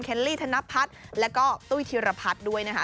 ลี่ธนพัฒน์แล้วก็ตุ้ยธีรพัฒน์ด้วยนะคะ